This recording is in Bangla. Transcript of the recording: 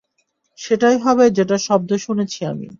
সেটাই হবে যেটার শব্দ শুনেছি আমি।